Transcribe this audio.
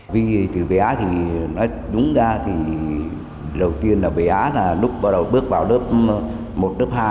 vì từ bé thì nói đúng ra thì đầu tiên là bé là lúc bắt đầu bước vào lớp một lớp hai